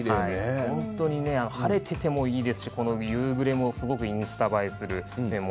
晴れていてもいいですし夕暮れもすごくインスタ映えします。